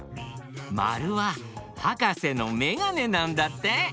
まるははかせのめがねなんだって！